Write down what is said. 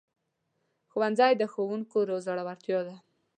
ښوونځی د ښوونکو زړورتیا ده